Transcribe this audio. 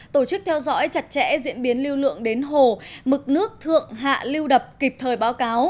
tổ chức theo dõi chặt chẽ diễn biến lưu lượng đến hồ mực nước thượng hạ lưu đập kịp thời báo cáo